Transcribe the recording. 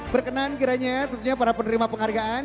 berkenan kiranya tentunya para penerima penghargaan